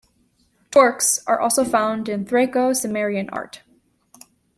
Torcs are also found in Thraco-Cimmerian art.